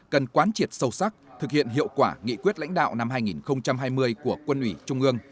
cần quán triệt sâu sắc thực hiện hiệu quả nghị quyết lãnh đạo năm hai nghìn hai mươi của quân ủy trung ương